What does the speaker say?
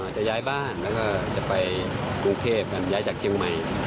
จะย้ายบ้านแล้วก็จะไปกรุงเทพฯย้ายจากชิมไม